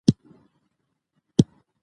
مېلې د ټولني د ژوند د خوښیو جشنونه دي.